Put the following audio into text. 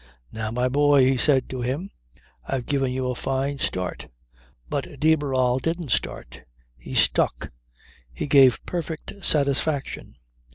"Now, my boy," he said to him, "I've given you a fine start." But de Barral didn't start. He stuck. He gave perfect satisfaction.